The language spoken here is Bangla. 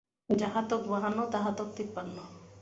যাঁহাতক বাহান্ন তাঁহাতক তিপ্পান্ন।